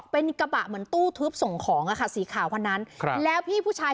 เป็นกระบะเหมือนตู้ทึบส่งของอ่ะค่ะสีขาวคนนั้นครับแล้วพี่ผู้ชาย